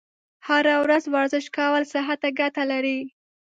هره ورځ ورزش کول صحت ته ګټه لري.